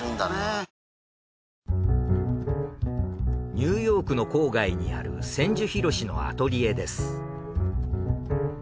ニューヨークの郊外にある千住博のアトリエです。